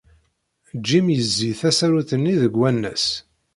Jim yezzi tasarut-nni deg wanas.